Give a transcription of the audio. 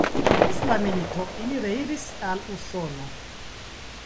Post la milito ili reiris al Usono.